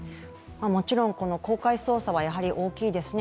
もちろん公開捜査はやはり大きいですね。